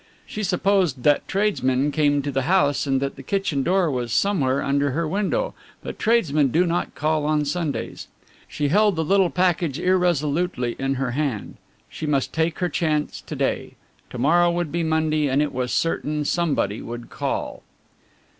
She supposed that tradesmen came to the house and that the kitchen door was somewhere under her window, but tradesmen do not call on Sundays. She held the little package irresolutely in her hand. She must take her chance to day. To morrow would be Monday and it was certain somebody would call.